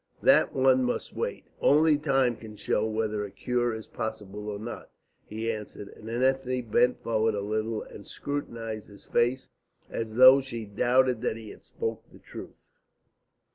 "That one must wait. Only time can show whether a cure is possible or not," he answered, and Ethne bent forward a little and scrutinised his face as though she doubted that he spoke the truth.